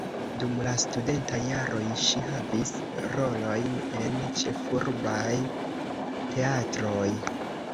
Dum la studentaj jaroj ŝi havis rolojn en ĉefurbaj teatroj.